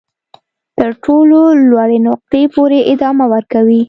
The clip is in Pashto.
تر تر ټولو لوړې نقطې پورې ادامه ورکوي.